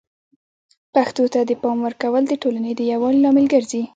پښتو ته د پام ورکول د ټولنې د یووالي لامل ګرځي.